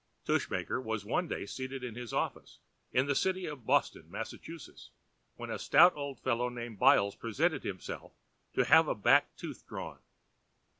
Tushmaker was one day seated in his office, in the city of Boston, Massachusetts, when a stout old fellow named Byles presented himself to have a back tooth drawn.